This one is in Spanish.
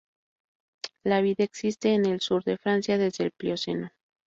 La vid existe en el sur de Francia desde el Plioceno.